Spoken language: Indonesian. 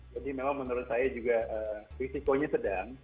jadi memang menurut saya juga risikonya sedang